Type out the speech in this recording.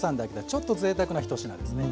ちょっとぜいたくな１品ですね。